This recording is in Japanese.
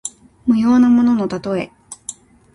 無用なもののたとえ。